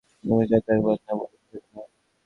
আমি যাতে একবার না বলেছি সেটা নায়ি।